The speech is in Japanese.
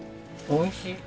おいしい。